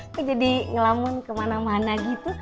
ini jadi ngelamun kemana mana gitu